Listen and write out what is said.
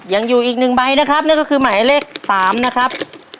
ยังอยู่อีก๑ใบนะครับนั่นก็คือหมายเลข๓นะครับ